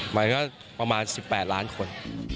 หมายถึงว่าประมาณ๑๘ล้านคน